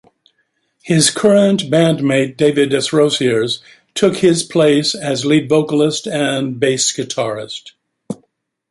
His current bandmate David Desrosiers took his place as lead vocalist and bass guitarist.